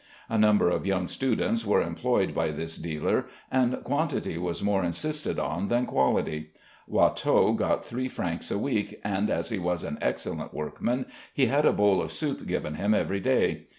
A number of young students were employed by this dealer, and quantity was more insisted on than quality. Watteau got three francs a week, and as he was an excellent workman he had a bowl of soup given him every day.